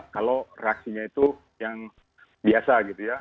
kalau reaksinya itu yang biasa